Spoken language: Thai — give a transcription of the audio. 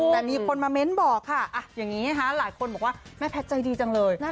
แต่มีคนมาเม้นบอกค่ะอย่างนี้นะคะหลายคนบอกว่าแม่แพทย์ใจดีจังเลย